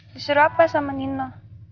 disuruh apa sama nino